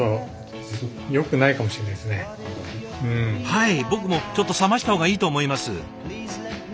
はい僕もちょっと冷ました方がいいと思います。